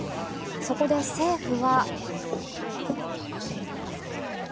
そこで政府は。